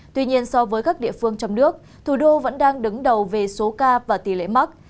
tuy nhiên so với các địa phương trong nước thủ đô vẫn đang đứng đầu về số ca và tỷ lệ mắc